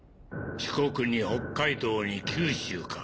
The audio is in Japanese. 四国に北海道に九州か。